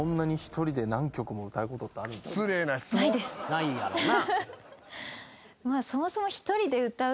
ないやろな。